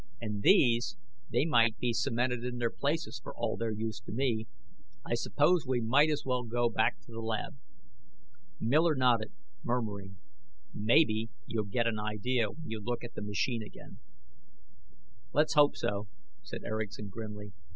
And these they might be cemented in their places, for all their use to me. I suppose we might as well go back to the lab." Miller nodded, murmuring: "Maybe you'll get an idea when you look at the machine again." "Let's hope so," said Erickson grimly.